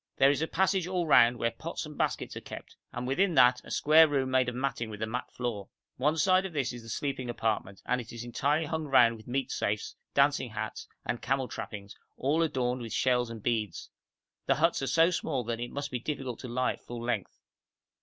There is a passage all round where pots and baskets are kept, and within that a square room made of matting with a mat floor. One side of this is the sleeping apartment, and is entirely hung round with meat safes, dancing hats, and camel trappings, all adorned with shells and beads. The huts are so small that it must be difficult to lie at full length.